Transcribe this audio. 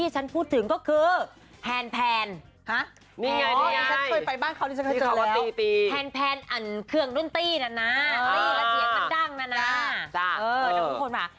ใจขายกวาคุณผู้ที่ชมนายโย่งเชิญยิมจัก